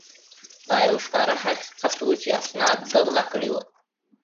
دا یو ښکاره حقیقت وو چې اسناد ده غلا کړي ول.